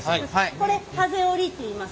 これハゼ折りっていいます。